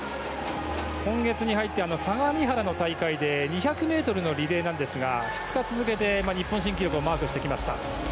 今月に入って相模原の大会で２００ｍのリレーなんですが２日続けて日本新記録をマークしてきました。